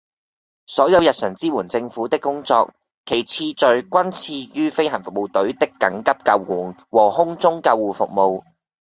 所有日常支援政府的工作，其次序均次於飛行服務隊的緊急救援和空中救護服務